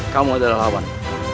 kamu adalah lawan